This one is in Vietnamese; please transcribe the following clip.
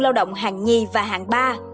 lao động hàng hai và hàng ba